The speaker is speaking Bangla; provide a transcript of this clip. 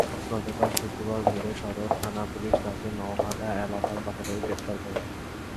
গতকাল শুক্রবার ভোরে সদর থানা-পুলিশ তাঁকে নওহাটা এলাকার বাসা থেকে গ্রেপ্তার করে।